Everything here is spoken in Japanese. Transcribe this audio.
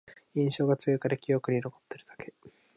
印象が強いから記憶に残ってるだけ